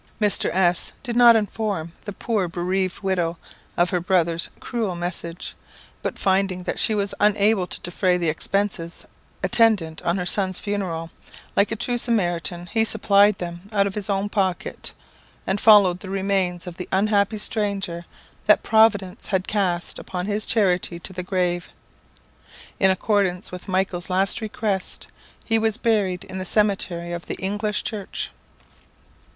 Mr. S did not inform the poor bereaved widow of her brother's cruel message; but finding that she was unable to defray the expenses attendant on her son's funeral, like a true Samaritan, he supplied them out of his own pocket, and followed the remains of the unhappy stranger that Providence had cast upon his charity to the grave. In accordance with Michael's last request, he was buried in the cemetry of the English church.